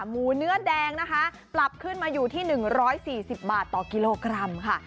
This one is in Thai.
หมูเนื้อแดงนะคะปรับขึ้นมาอยู่ที่๑๔๐บาทต่อกิโลกรัมค่ะ